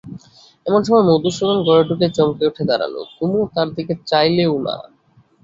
এমন সময়ে মধুসূদন ঘরে ঢুকেই চমকে উঠে দাঁড়াল– কুমু তার দিকে চাইলেও না।